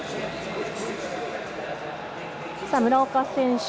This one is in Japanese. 村岡選手